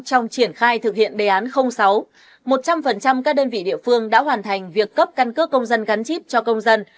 trong triển khai thực hiện đề án sáu một trăm linh các đơn vị địa phương đã hoàn thành việc cấp căn cước công dân gắn chip cho công dân